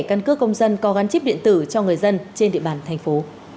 căn cước công dân có gắn chip điện tử cho người dân trên địa bàn thành phố